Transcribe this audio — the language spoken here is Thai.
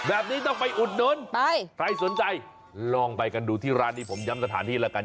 แบบนี้ต้องไปอุดหนุนไปใครสนใจลองไปกันดูที่ร้านนี้ผมย้ำสถานที่แล้วกัน